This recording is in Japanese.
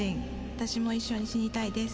私も一緒に死にたいです」